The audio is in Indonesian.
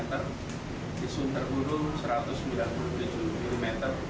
di suntergurung satu ratus sembilan puluh tujuh mm